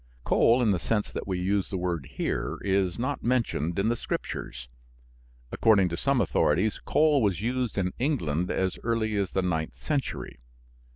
Coal, in the sense that we use the word here, is not mentioned in the Scriptures. According to some authorities, coal was used in England as early as the ninth century.